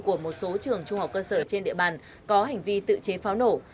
của một số trường trung học cơ sở trên địa bàn có hành vi tự chế pháo nổ